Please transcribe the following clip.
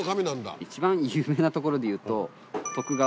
一番有名なところで言うと。